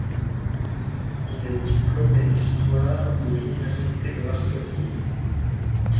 Il est diplômé d'Histoire de l'université de Varsovie.